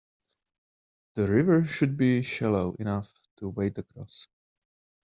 The river should be shallow enough to wade across.